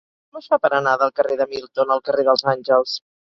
Com es fa per anar del carrer de Milton al carrer dels Àngels?